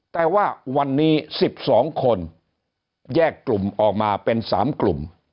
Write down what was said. แต่ว่าวันนี้๑๒คนแยกกลุ่มออกมาเป็น๓กลุ่ม